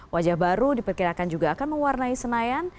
wajah baru diperkirakan juga akan mewarnai senayan